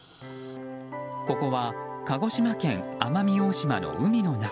ここは鹿児島県奄美大島の海の中。